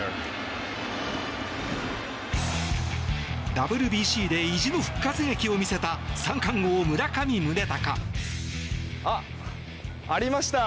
ＷＢＣで意地の復活劇を見せた三冠王、村上宗隆。ありました。